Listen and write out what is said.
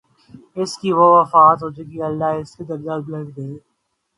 اس کی وفات ہو چکی ہے، اللہ اس کے درجات بلند کرے۔